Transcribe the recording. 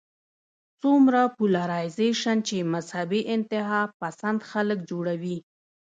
څومره پولرايزېشن چې مذهبي انتها پسند خلک جوړوي